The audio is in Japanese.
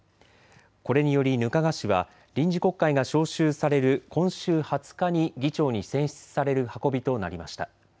これにより額賀氏は臨時国会が召集される今週２０日に議長に選出される運びとなりました。